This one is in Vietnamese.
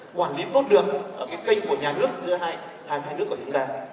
quản lý tốt được ở cái kênh của nhà nước giữa hai nước của chúng ta